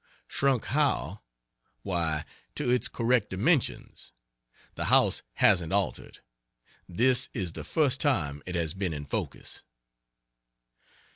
Shrunk how? Why, to its correct dimensions: the house hasn't altered; this is the first time it has been in focus.